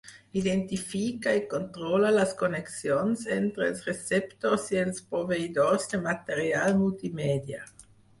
Identifica i controla les connexions entre els receptors i els proveïdors de material multimèdia.